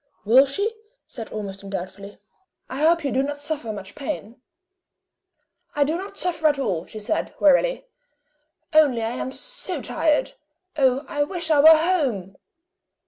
"Will she?" said Ormiston, doubtfully. "I hope you do not suffer much pain!" "I do not suffer at all," she said, wearily; "only I am so tired. Oh, I wish I were home!"